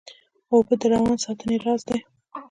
اوبه د روان ساتنې راز دي